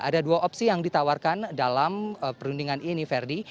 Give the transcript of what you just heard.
ada dua opsi yang ditawarkan dalam perundingan ini ferdi